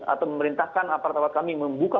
atau memerintahkan aparat kami membuka